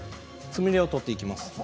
つみれを取っていきます。